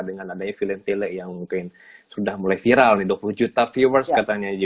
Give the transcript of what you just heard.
dengan adanya film tele yang mungkin sudah mulai viral nih dua puluh juta viewers katanya